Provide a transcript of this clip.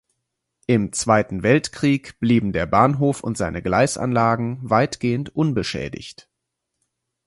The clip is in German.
Im Zweiten Weltkrieg blieben der Bahnhof und seine Gleisanlagen weitgehend unbeschädigt.